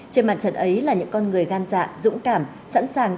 trên mặt trận ấy là những con người gan dạ dũng cảm sẵn sàng